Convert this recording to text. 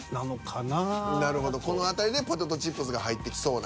なるほどこの辺りでポテトチップスが入ってきそうな。